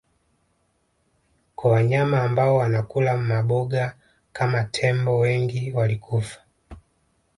kwa wanyama ambao wanakula maboga kama tembo wengi walikufa